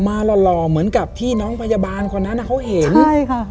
หล่อหล่อเหมือนกับที่น้องพยาบาลคนนั้นอ่ะเขาเห็นใช่ค่ะ